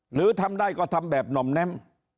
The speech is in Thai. หรือทำได้ก็ทำแบบหน่อมแน้ม